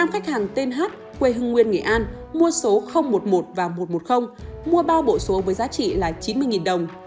năm khách hàng tên hát quê hương nguyên nghệ an mua số một mươi một và một trăm một mươi mua bao bộ số với giá trị là chín mươi đồng